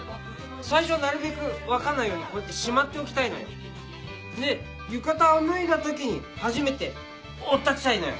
最初はなるべく分かんないようにこうやってしまっておきたいのよ。で浴衣を脱いだときに初めておっ立ちたいのよ。